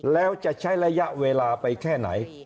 แล้วจะใช้ระยะเวลาไปแค่ไหน